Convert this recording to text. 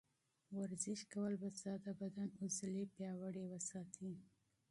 ورزش کول به ستا د بدن عضلې پیاوړې وساتي.